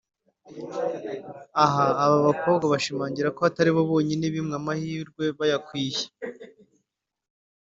Aha aba bakobwa bashimangira ko atari bo bonyine bimwe amahirwe bayakwiriye